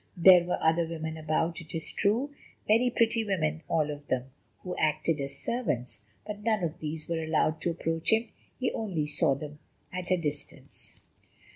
There were other women about, it is true, very pretty women all of them, who acted as servants, but none of these were allowed to approach him; he only saw them at a distance.